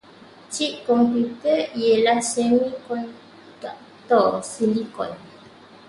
Cip komputer ialah semikonduktor silicon.